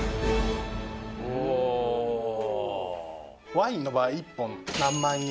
ワインの場合１本何万円